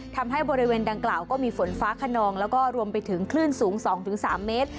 ทำให้บริเวณดังกล่าวก็มีฝนฟ้าขนองแล้วก็รวมไปถึงคลื่นสูง๒๓เมตร